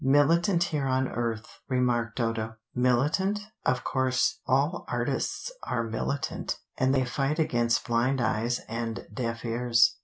"Militant here on earth," remarked Dodo. "Militant? Of course all artists are militant, and they fight against blind eyes and deaf ears.